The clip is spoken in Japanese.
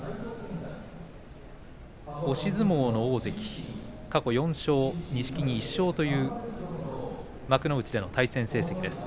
押し相撲の大関、過去４勝錦木は１勝という幕内での対戦成績です。